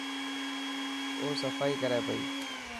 او صفائي ڪري پئي.